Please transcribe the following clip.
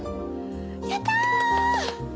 やった！